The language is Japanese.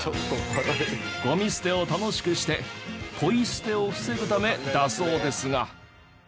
ゴミ捨てを楽しくしてポイ捨てを防ぐためだそうですが。